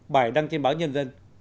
bài đăng trên báo nhân dân